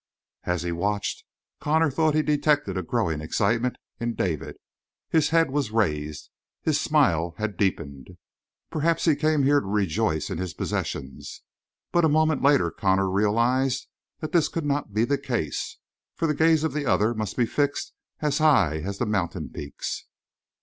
As he watched, Connor thought he detected a growing excitement in David his head was raised, his smile had deepened. Perhaps he came here to rejoice in his possessions; but a moment later Connor realized that this could not be the case, for the gaze of the other must be fixed as high as the mountain peaks.